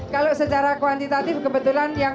kalau secara kuantitatif kebetulan yang